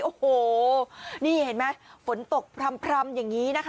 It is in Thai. โอ้โหนี่เห็นไหมฝนตกพร่ำอย่างนี้นะคะ